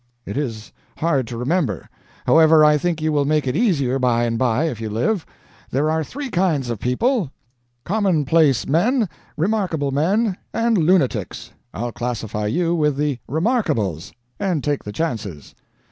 "It is hard to remember. However, I think you will make it easier by and by, if you live. There are three kinds of people Commonplace Men, Remarkable Men, and Lunatics. I'll classify you with the Remarkables, and take the chances."